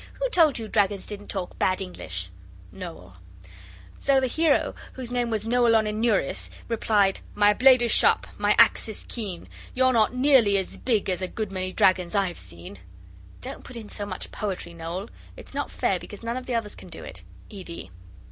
Who told you dragons didn't talk bad English? Noel.) So the hero, whose name was Noeloninuris, replied 'My blade is sharp, my axe is keen, You're not nearly as big As a good many dragons I've seen.' (Don't put in so much poetry, Noel. It's not fair, because none of the others can do it. ED.)